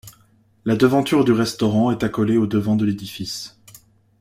La devanture du restaurant est accolée au devant de l’édifice.